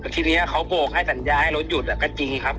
ทีนี้เขาโบกให้สัญญาให้เราหยุดก็จริงครับ